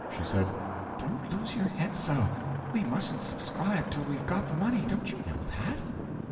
She said: "Don't lose your head so. We mustn't subscribe till we've got the money; don't you know that?"